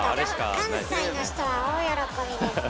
関西の人は大喜びですけども。